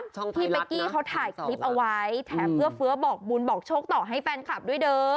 พี่เป๊กกี้เขาถ่ายคลิปเอาไว้แถมเพื่อเฟื้อบอกบุญบอกโชคต่อให้แฟนคลับด้วยเด้อ